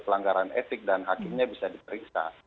pelanggaran etik dan hakimnya bisa diperiksa